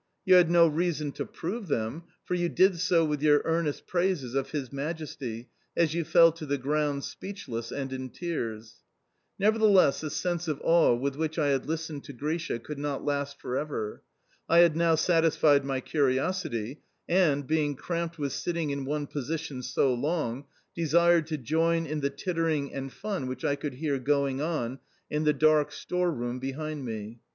You had no reason to prove them, for you did so with your earnest praises of His majesty as you fell to the ground speechless and in tears! Nevertheless the sense of awe with which I had listened to Grisha could not last for ever. I had now satisfied my curiosity, and, being cramped with sitting in one position so long, desired to join in the tittering and fun which I could hear going on in the dark store room behind me.